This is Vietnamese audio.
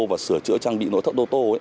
và sửa chữa trang bị nổ thất ô tô